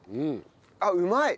あっうまい！